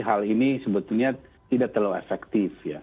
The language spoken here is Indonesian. hal ini sebetulnya tidak terlalu efektif ya